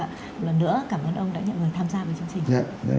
một lần nữa cảm ơn ông đã nhận được tham gia với chương trình